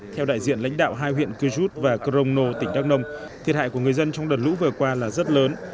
theo đại diện lãnh đạo hai huyện cư giút và crono tỉnh đắk nông thiệt hại của người dân trong đợt lũ vừa qua là rất lớn